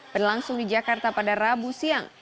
berlangsung di jakarta pada rabu siang